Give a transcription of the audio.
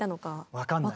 分かんないよね。